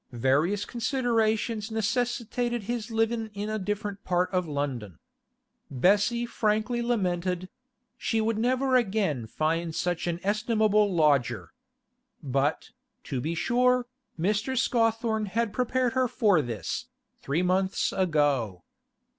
Various considerations necessitated his living in a different part of London. Bessie frankly lamented; she would never again find such an estimable lodger. But, to be sure, Mr. Scawthorne had prepared her for this, three months ago.